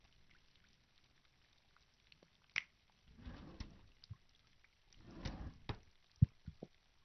Cheyonotin kokimii eng sitosiek ab kasomanet ab bukut ne tilil